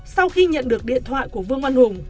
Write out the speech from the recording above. sau khi nhận được điện thoại của vương văn hùng